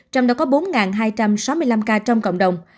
trong đó có bốn hai trăm sáu mươi năm ca trong cộng đồng